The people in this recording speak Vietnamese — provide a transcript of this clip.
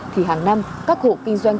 thì hàng năm các hộ kinh doanh